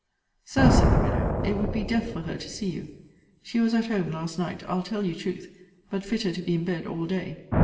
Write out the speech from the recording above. Sir, said the widow, it would be death for her to see you. She was at home last night; I'll tell you truth: but fitter to be in bed all day.